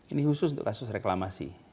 ini khusus untuk kasus reklamasi